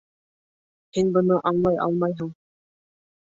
Һин быны аңлай алмайһың.